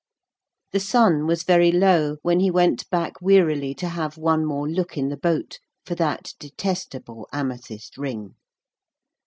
The sun was very low when he went back wearily to have one more look in the boat for that detestable amethyst ring.